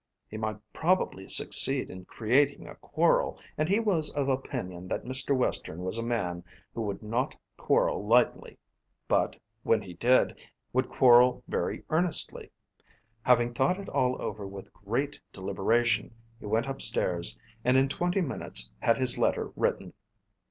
He might probably succeed in creating a quarrel, and he was of opinion that Mr. Western was a man who would not quarrel lightly, but, when he did, would quarrel very earnestly. Having thought it all over with great deliberation, he went up stairs, and in twenty minutes had his letter written.